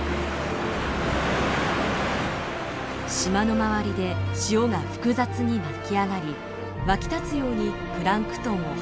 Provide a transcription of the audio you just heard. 島の周りで潮が複雑に巻き上がりわき立つようにプランクトンを運んでくるのです。